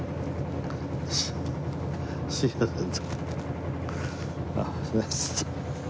すいません。